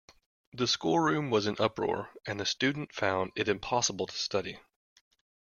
The schoolroom was in uproar, and the student found it impossible to study